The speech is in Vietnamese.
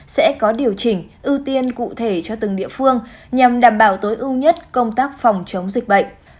sẽ có điều chỉnh ưu tiên cụ thể cho từng địa phương nhằm đảm bảo tối ưu nhất công tác phòng chống dịch bệnh